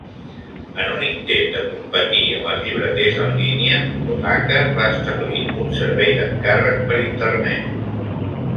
En un intent de competir amb els llibreters en línia, Ottakar va establir un servei d'encàrrec per Internet.